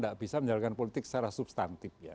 kita menjalankan politik secara substantif